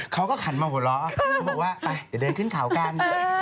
เขาก็ขันมาหัวเราะเขาบอกว่าไปเดินขึ้นขาวกัน